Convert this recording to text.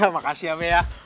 makasih ya be ya